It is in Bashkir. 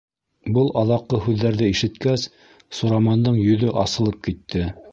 Был аҙаҡҡы һүҙҙәрҙе ишеткәс, Сурамандың йөҙө асылып китте.